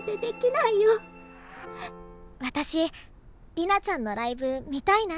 私璃奈ちゃんのライブ見たいな。